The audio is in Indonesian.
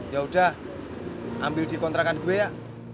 ya udah ambil di kontrakan gue ya